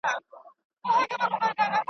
الا وه که بلا وه د لالي د سر قضا وه.